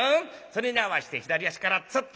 それに合わせて左足からツッ。